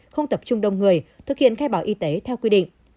không tập trung đông người thực hiện khai báo y tế theo quy định